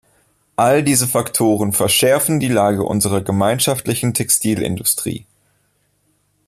All diese Faktoren verschärfen die Lage unserer gemeinschaftlichen Textilindustrie.